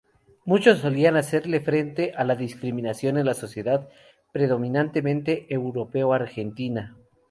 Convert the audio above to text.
Muchos solían hacerle frente a la discriminación en la sociedad predominantemente europeo-argentina.